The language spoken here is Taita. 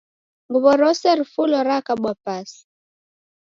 Nguwo rose rifulo rakabwa pasi